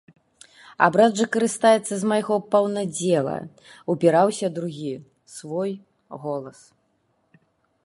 «А брат жа карыстаецца з майго паўнадзела», — упіраўся другі, свой, голас.